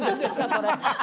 それ」